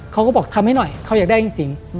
เขาก็บอกทำให้หน่อยเขาอยากได้จริง